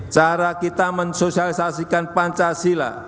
cara kita mensosialisasikan pancasila